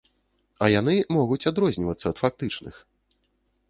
А яны могуць адрознівацца ад фактычных!